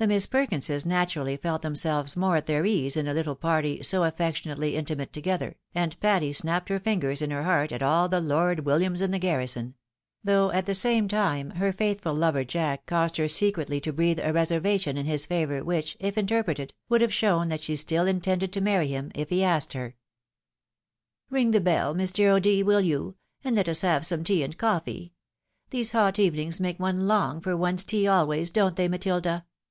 The Miss Perkinses naturally felt themselves more at their ease in a httle party so affectionately intimate together, and Patty snapped her fingers in her heart at all the Lord WiUiams in the garrison ; though, at the same time, her faithful lover Jack caused her secretly to breathe a reservation in his favour, which, if interpreted, would have shown that she still intended to marry him, if he asked her. " Ring the bell, Mr. O'D., wiU you ? and let us have some tea and cofifee. These hot evenings make one long for one's tea always, don't they Matilda